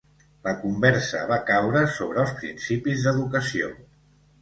La conversa va caure sobre els principis d'educació.